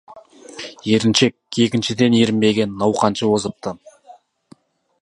Еріншек егіншіден ерінбеген науқаншы озыпты.